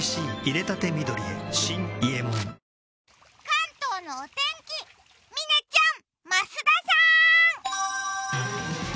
関東のお天気、嶺ちゃん増田さん。